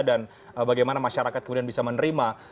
dan bagaimana masyarakat kemudian bisa menerima